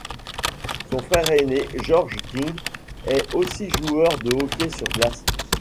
Son frère aîné George Kink est aussi joueur de hockey sur glace.